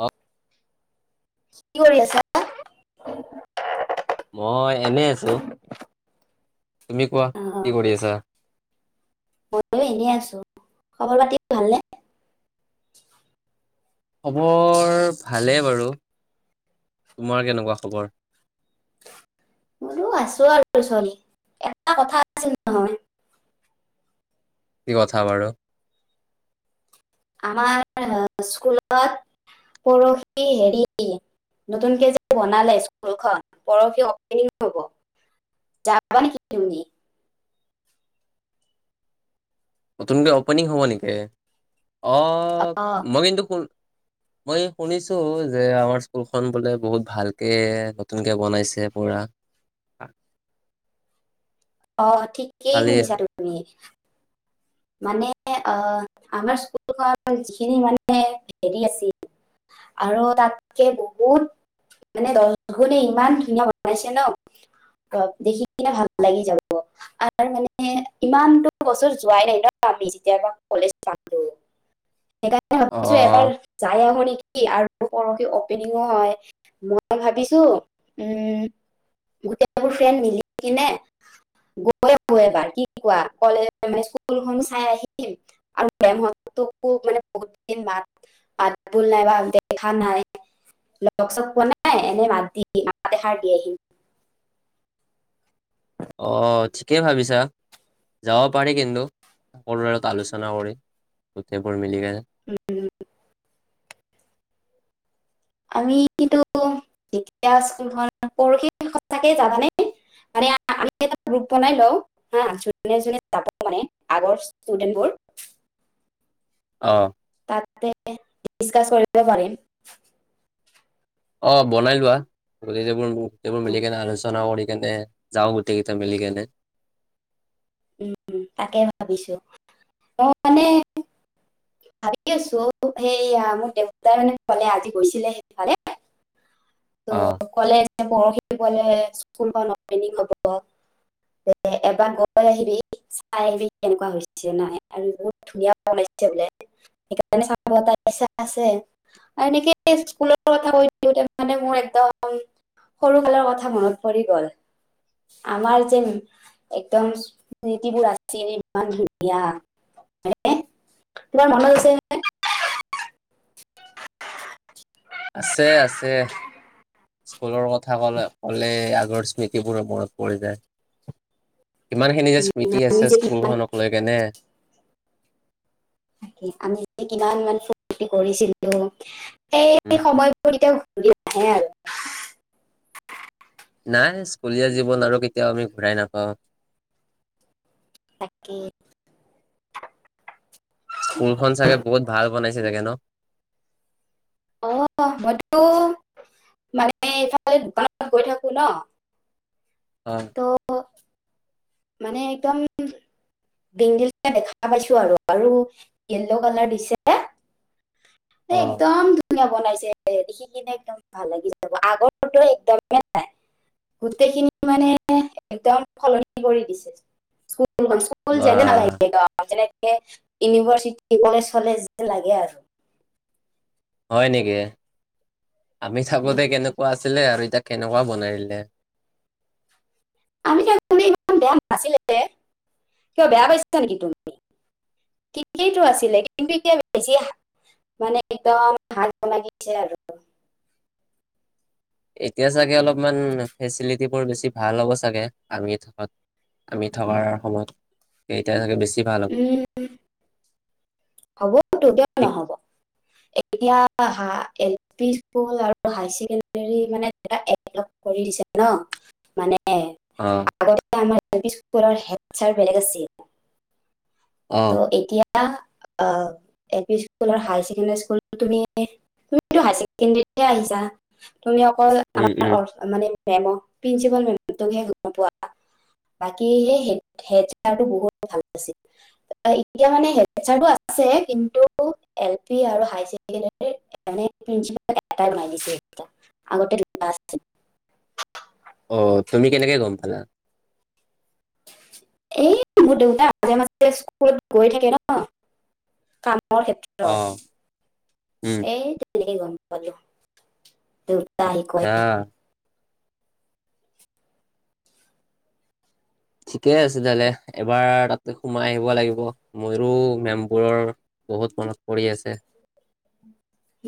অ কি কৰি আছা। মই এনে আছো। তুমি কোৱা অ কি কৰি আছা। ময়ো এনেই আছো, খবৰ পাতি ভালনে? খবৰ ভালেই বাৰু তোমাৰ কেনেকুৱা খবৰ। মোৰো আছো এটা কথা আছিল নহয় কি কথা থা বাৰু। আমাৰ স্কুলত পৰহি হেৰি নতুনকে যে বনালে স্কুলখন পৰহি অপেনিং হ'ব, যাবা নেকি তুমি। নতুনকৈ অপেনিং হ'ব নেকি? অঁ, অ মই কিন্তু ক মই শুনিছো যে, আমাৰ স্কুলখন বোলে বহুত ভালকে নতুনকে বনাইছে পুৰা। অঁ ঠিকেই কালি শুনিছা তুমি। মানে অ আমাৰ স্কুলৰ যিখিনি মানে হেৰি আছিল আৰু তাতকে বহুত মানে ইমান ধুনীয়া বনাইছে ন দেখি কিনে ভাল লাগি যাব আৰু মানে ইমানতো বছৰ যোৱাই নাই ন। আমি যেতিয়াৰ পা কলেজ ষ্টাৰ্ট কৰিলোঁ। সেইকাৰণে অ ভাবিছো এবাৰ যায় আহোঁ নিকি আৰু পৰহি অপেনিঙো হয় মই ভাবিছো উম গোটেইবোৰ ফ্ৰেণ্ড মিলি কিনে গৈ আহো এবাৰ কি কোৱা কলেজ জখনো চাই আহিম আৰু মেম হতকো মানে বহুত দিন মাত মাত বুল নাই বা দেখা নাই লগ চগ পোৱা নাই এনে মাত দি মাত এষাৰ দি আহিম অহ ঠিকেই ভাবিছা যাব পাৰি কিন্তু সকলোৱে লগত আলোচনা কৰি গোটেইবোৰ মিলিকেনে আমি কিন্তু যেতিয়া স্কুলখন পৰখি সচাকে যাবানে মানে আমি এটা গ্ৰুপ বনাই লওঁ হা যোনে যোনে যাব মানে আগৰ ষ্টুডেন্টবোৰ বোৰ অ তাতে ডিছকাছ কৰিব পাৰিম অ বনাই লোৱা [unintelligible] গোটেইবোৰ উম, মিলি কাণে আলোচনা কৰি তেন্তে যাওঁ গোটেই কেইটা মিলি কেনে উম তাকে ভাবিছো অ মানে ভাবি আছো সেই আ মোৰ দেউতাই মানে কলে আজি গৈছিলে সেইফালে ত অ কলেজ পৰহিবলে স্কুলখন অপেনিং হব কলে এবাৰ গৈ আহিবি চাই আহিবি কেনেকুৱা হৈছে নাই আৰু বহুত ধুনীয়া বনাইছে বোলে সেকাৰণে চাব এটা ইচ্ছা আছে আৰু এনেকে স্কুলৰ কথা কৈ দিওঁতে মানে মোৰ একদম সৰু কালৰ কথা মনত পৰি গল আমাৰ যে একদম স্মৃতিবোৰ আছিল ইমান ধুনীয়া হয়নে তোমাৰ মনত আছে নে আছে আছে ছে স্কুলৰ কথা কলে ক'লে আগৰ স্মৃতিবোৰ মনত পৰি যায় কিমানখিনি যে স্মৃতি আমি আছে যে কিমান স্কুলখনক লৈকেনে ইমান ইমান ফুৰৰ্তি কৰিছিলো এই উম সময় পৰিতে ঘুৰি নাহে আৰু নাই স্কুলীয়া জীৱন আৰু কেতিয়াও আমি ঘূৰাই নাপাওঁ তাকে স্কুলখন চাগে বহুত ভাল বনাইছে চাগে ন অ মইতো মানে ইফালে দোকানত গৈ থাকো ন তৌ মানে একদম ডিংগিলকে দেখা পাইছো আৰু আৰু য়েল্ল' কালাৰ দিছে অ, একদম বনাইছে দেখি কিনে একদম ভাল লাগি যাব আগৰটোত একদমেই নাই গোটেইখিনি মানে একদম সলনি কৰি দিছে স্কুল স্কুল বা যেনে নালাগিব আমাৰ যেনে ইউনিভাৰ্চিটি কলেজ কলেজ যে লাগে আৰু হয় নেকি আমি থাকোতে কেনেকুৱা আছিলে আৰু এতিয়া কেনেকুৱা বনাই দিলে আমি থাকোতে ইমান বেয়া নাছিলে কিয় বেয়া পাইছা নেকি তুমি ঠিকেইটো আছিলে কিন্তু এতিয়া বেছি মানে একদম ভাল বনাই দিলে আৰু এতিয়া চাগে অলপমান ফেচিলিটিবোৰ বেছি ভাল হ'ব চাগে আমি থকাত আমি থকাৰ সময়ত এতিয়া চাগে বেছি ভাল হ'ব উম হ'ব তোও কিয় ঠিক নহ'ব। এতিয়া এল পি স্কুল আৰু হাই এক ছেকেণ্ডাৰী মানে কৰি দিছে ন মানে অ আগতে আমাৰ এলপি স্কুলৰ হেডছাৰ বেলেগ আছিল। অ ত এতিয়া [unintelligible] তুমি অকল উম আমাৰ উম অৰ্ মানে। মেম প্ৰিঞ্চিপাল মেম তোকহে গম পোৱা বাকী সেই হেড বহুত ভাল আছিল এতিয়া মানে আছে কিন্তু এল পি আৰু হাইছেকেণ্ডেৰী এ প্ৰিন্সিপাল এট মাৰছে আগতে। অ তুমি কেনেকে গ'ম পালা। এ মোৰ দেউতা মাজে মাজে স্কুলত গৈ থাকে ন কাম অ ক্ষেত্ৰত উম এ কেনেকৈ গম পালে। আহ। ঠিকে আছে তোহলে এবাৰ তাতে সোমাই আহিব লাগিব মোৰো মেমবোৰৰ বহুত মনত পৰি আছে।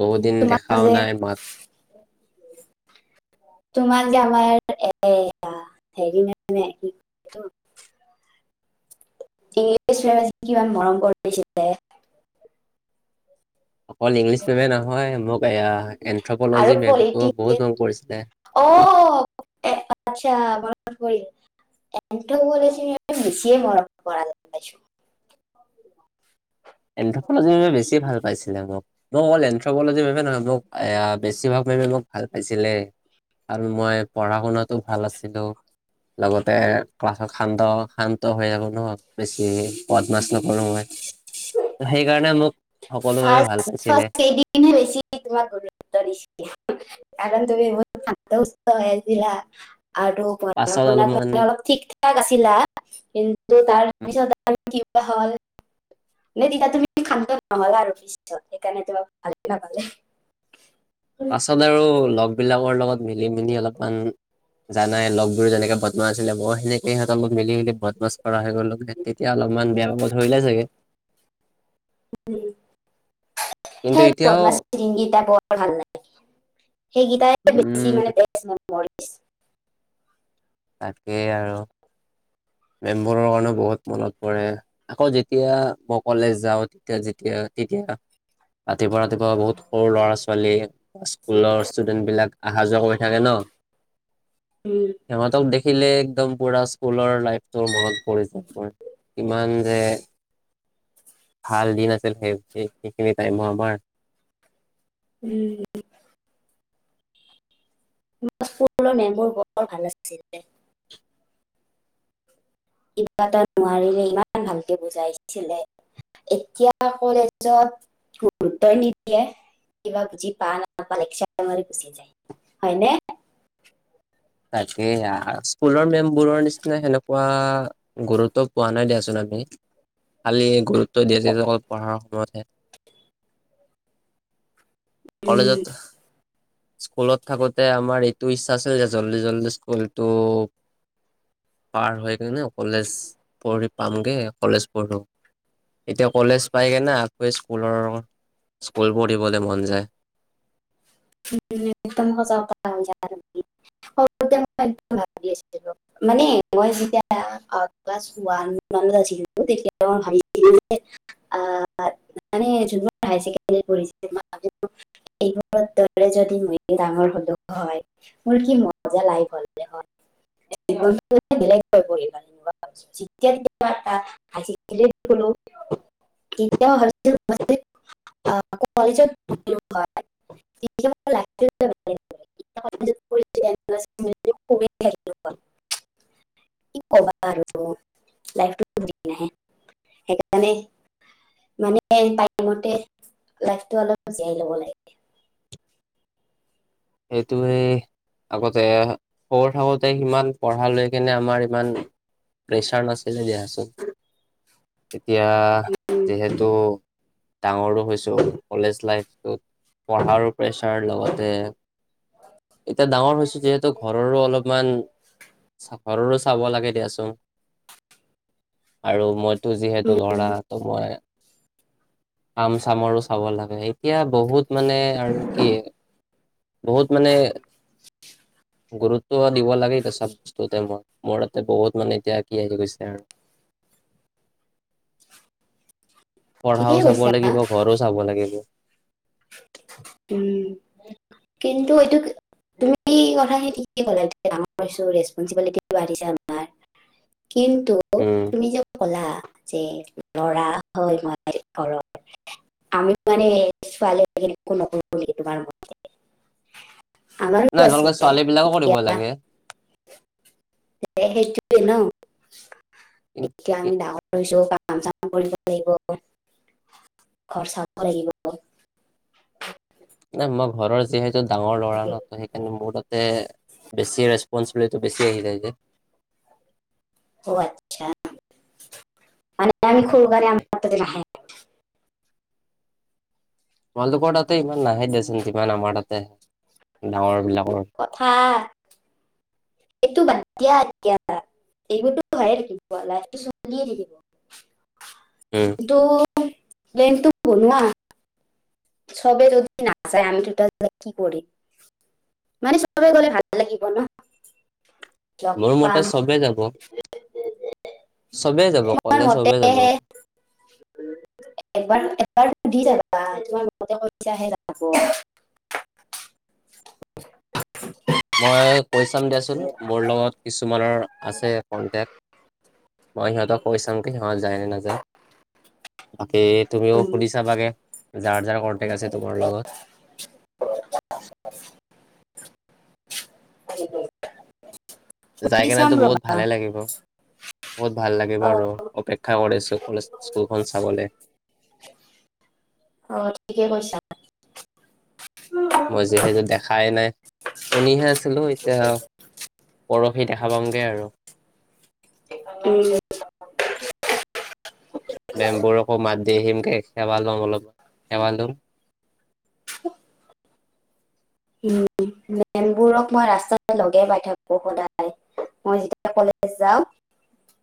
বহুত দিন তোমাক দেখাও যে নাই মাত তোমাৰ আমাৰ এয়া হেৰি মে কি ইংছ কিমান মৰম কৰিছিলে অকল ইংলিছ মেমে নহয় মোক বেয়া। আৰু পলিটিকেল অ আচ্ছা মনত পৰিল এছ বেছিয় মৰম পৰা পাইছো। এনথ্ৰপলজি বাবে বেছি ভাল পাইছিলে মোক মই অকল এনথ্ৰপলজি বাবে নহয় মোক বেছিভাগ মে মোক ভাল পাইছিলে আৰু মই পঢ়া শুনাতো ভাল আছিলো লগতে ক্লাছত শান্ত শান্ত হৈ থাকো ন বেছি বদ মাছ নকৰা মই। সেইকাৰণে মোক সকলো বাবে ভাল ফাৰ্ষ্ট পাইছিলে ফাৰ্ষ্ট কেইদিনহে বেছি তোমাক গুৰুত্ব দিছিল। কাৰণ তুমি ইমান শান্ত সিস্ত হৈ আছিলা। আৰু পঢ়া পাছত শুনাটো অলপমান অলপ ঠিক ঠাক আছিলা কিন্তু উম, হ'ল ন তেতিয়া তুমি খান্ত আমাল আৰপি সেইকাৰণে তোমাক ভালে নাপালে। পাছত আৰু লগবিলাকৰ লগত মিলি মেলি অলপমান। জানাই লগবোৰ যেনেকে বদমাচ আছিলে মই সেনেকে সিহঁতৰ মোক মিলি মিলি বদমাছ কৰা হৈ গ'লো তেতিয়া অলপমান বেয়া পাব ধৰিলে চাগে কিন্তু হেই এতিয়াও বদমাৰিং হিন্দী গাধ। ভাল নাই সেইকেইটাই বেছি উম মানে তেজ মান মৰিছ তাকেই আৰু মেম্বৰৰ কাৰণেও বহুত মনত পৰে আকৌ যেতিয়া মোক কলেজ যাওঁ তেতিয়া যেতিয়া তেতিয়া ৰাতিপুৱা ৰাতিপুৱা বহুত সৰু ল'ৰা ছোৱালী বা স্কুলৰ ষ্টুডেণ্ট বিলাক অহা যোৱা কৰি থাকে ন সিহঁতক দেখিলে একদম পুৰা স্কুলৰ লাইফ তো মনত পৰিচে কিমান যে ভাল দিন আছিল সেই স সেইখিনি টাইমো আমাৰ উম। আমাৰ স্কুলৰ মেমবোৰ বৰ ভাল আছিলে। কিবা এটা নোৱাৰিলে ইমান ভালকে বুজাইছিলে এতিয়া কলেজত গুৰুত্ব নিদিয়ে কিবা বুজি পা নাপাল লেকচাৰ মাৰি গোচি যায় হয়নে। তাকে স্কুলৰ মেমবোৰৰ নিচিনা সেনেকুৱা গুৰুত্ব পোৱা নাই দিয়াচোন আমি খালি গুৰুত দি আছে যে অকল পঢ়া [unintelligible] কলেজত স্কুলত থাকোতে আমাৰ এইটো ইচ্ছা আছিল যে জল্দি জল্দি স্কুলটো পাৰ হৈ কিনে কলেজ পঢ়ি পামগে কলেজ পঢ়ো এতিয়া কলেজ পাই কিনে আকৌ স্কুলৰ স্কুল পঢ়িবলৈ মন যায়। উম একদম মজা কথা কি চান তোমি মোতাহার ময় একদম য ময় জদি ডাঙৰ হলো হয় মোৰ কি মজা লাইফ [unintelligible] [unintelligible] কি কবা আৰু ল নাহে সেইকাৰণে মানে মতে লাইটো অলপ জীয়াই লব লাগে। সেইটোৱে আগতে সৰু থাকোঁতে সিমান পঢ়া লৈ কেনে আমাৰ ইমান প্ৰেছাৰ নাছিলে দিয়াচোন। এতিয়া উম, যিহেতু ডাঙৰো হৈছো কলেজ লাইফটোত পঢ়াৰো প্ৰেছাৰ লগতে এতিয়া ডাঙৰ হৈছো যিহেতু ঘৰৰো অলপমান ঘৰৰো চাব লাগে দিয়াচোন আৰু মইতো যিহেতু উম, লৰা তো মই কাম চামৰো চাব লাগে এতিয়া বহুত মানে আৰু কি বহুত মানে গুৰুত্ব কিবা দিব লাগে চব বস্তুতে মই মোৰ তাতে বহুত মানে এতিয়া কি আহিব গৈছে আৰু। ঠিকেই পঢ়াও চাব কৈছা লাগিব ঘৰো চাব লাগিব। উম কিন্তু এইটো তুমি কথাখিনি ঠিক কলা ডাঙৰছো ৰেপিবিলিট বাঢ়িছে আমাৰ কিন্তু তুমি যে কলা যে লৰা হয় মই ঘৰৰ আমি মানে ছোৱালী একো নকৰো নেকি তোমাৰ মতে? আমাৰ ও নাই আচে তোমালোকে ছোৱালী বিলাকো কৰিব ইতিয়া লাগে মেই তো ন কিন্তু এয়া আমি দাঙৰ হয়চো কাম চাম কৰিব লাগিব ঘৰ চাব লাগিব। নাই মই ঘৰৰ যিহেতু ডাঙৰ ল'ৰা ন সেইকাৰণে মোৰ তাতে। বেছি ৰেচপন্ঞ্চিবিলিটো বেছি আহি যায় যে। অহ ', আচ্ছা মান আমি [unintelligible] খকাৰ আম নাহ [inaudible] কলপ ততে ইমান নাহে দেচ ইমান আমাৰ তাতে। ডাঙৰ বিলাকৰ। কথা এইটো বাদিয়া এতিয়া এইবোৰতো ভয়ে থাকিব লাহটো চিয়ে উম থাকিব। তো প্লেনটো বনুৱা চব যদি না যায় আমি কি কৰি মানে চবেই গলে ভাল লাগিব ন। [unintelligible] লগ মোৰ মতে পাম চবে যাব চবেই যাব তাৰ কলে চবেই যাব মতেবাৰ এবাৰ সুধি চাবা [unintelligible] অ [unintelligible] পইচ আহ ৰা [unintelligible] মই পৰিশ্ৰাম দিয়াচোন মোৰ লগত কিছু। তোমাৰ আছে কণ্টেক্ট মই সিহঁতক কৈ চাম কি সিহঁত যায় নে নাযায়। বাকী তুমিও উম, সুধি চাবাগে যাৰ যাৰ কন্টেকট আছে তোমাৰ লগত। উ [unintelligible] যাই কেনেতো বহুত ভালে লাগিব। বহুত ভাল লাগে বাৰু অপেক্ষা কৰিছো ক স্কুলখন চাবলৈ। অ ঠিকে [inaudible] মই যিহেতু দেখাই নাই শুনিহে আছিলো এতিয়া আৰু পৰহি দেখা পাামগৈ আৰু। উম', মেমবোৰকো মাত দি আহিম কে সেৱা লম অলপ সেৱা লম। উম ', মেমবোৰক মই ৰাস্তা লগে পাই থাকো সদায় মই যেতিয়া কলেজ যাওঁ। [unintelligible]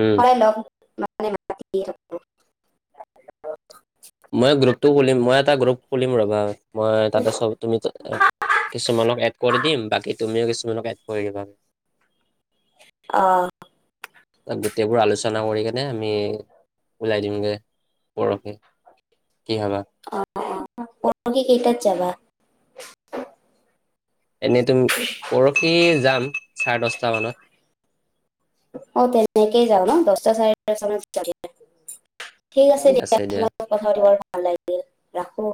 উম হয় লগ মানে মাতি থাকোঁ। মই গ্ৰুপটো খুলিম, মই এটা গ্ৰুপ খুলিম ৰবা মই তাতে কিছু কৰি দিম বাকী তুমিও কিছুমান এড কৰি দিবা। অ ত গোটেইবোৰ আলোচনা কৰি কেনে নে আমি ওলাই দিমগৈ পৰহৈ কি হবা। তুমি কেইটাত [inaudible] এনেই তুম পৰহি যাম। চাৰে দশ অ তেনেকেই যাও ন দ চটা চাৰে দচটা মানত যাবি ঠিক আছে দিয়া তোমাৰ লগত কথা পাতি বৰ ভাল লাগিল লাখো।